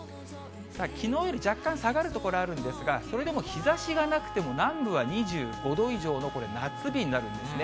きのうより若干、下がる所あるんですが、それでも日ざしがなくても、南部は２５度以上のこれ、夏日になるんですね。